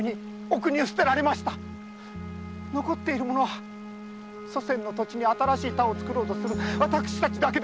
残った者は祖先の土地に新しい田を作ろうとする私たちだけです。